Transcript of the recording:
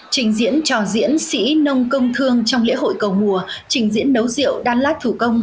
trình diễn trò diễn sĩ nông công thương trong lễ hội cầu mùa trình diễn nấu rượu đan lát thủ công